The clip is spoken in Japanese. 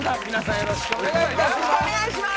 よろしくお願いします